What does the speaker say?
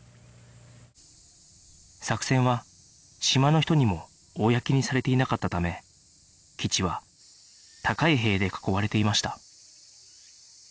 作戦は島の人にも公にされていなかったため基地は高い塀で囲われていました